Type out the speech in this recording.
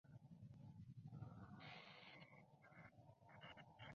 Fue uno de los fundadores del Partido Nuevo Poder en Taiwán.